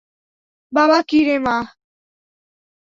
বাবা কী রে মা?